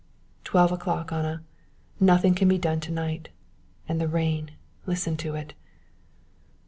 "Twelve o'clock, Anna. Nothing can be done to night. And the rain listen to it."